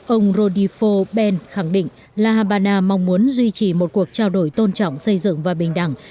ông rodifo ben khẳng định la habana mong muốn duy trì một cuộc trao đổi tôn trọng xây dựng và bình đẳng